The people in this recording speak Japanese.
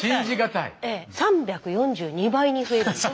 ３４２倍に増えるんです。